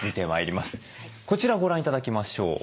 こちらご覧頂きましょう。